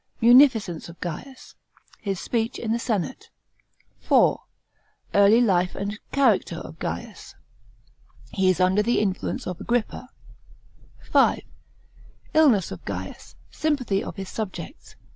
Munificence of Gaius. His speech in the senate. § 4. Early life and character of Gaius. He is under the influence of Agrippa. § 5. Illness of Gaius. Sympathy of his subjects.